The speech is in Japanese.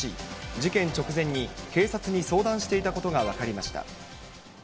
事件直前に、警察に相談していたことが分かりました。